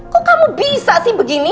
kok kamu bisa sih begini